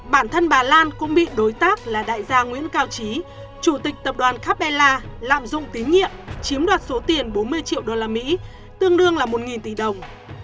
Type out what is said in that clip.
bản thân bà lan cũng bị đối tác là đại gia nguyễn cao trí chủ tịch tập đoàn capella lạm dụng tín nhiệm chiếm đoạt số tiền bốn mươi triệu usd tương đương là một tỷ đồng